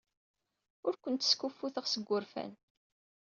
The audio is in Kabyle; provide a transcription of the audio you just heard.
Ur ken-skuffuteɣ seg wurfan.